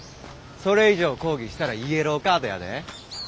それ以上抗議したらイエローカードやで。